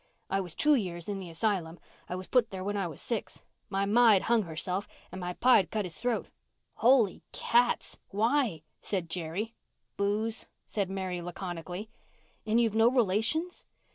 "I was two years in the asylum. I was put there when I was six. My ma had hung herself and my pa had cut his throat." "Holy cats! Why?" said Jerry. "Booze," said Mary laconically. "And you've no relations?"